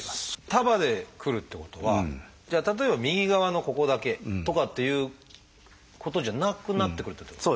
束でくるっていうことはじゃあ例えば右側のここだけとかっていうことじゃなくなってくるっていうこと？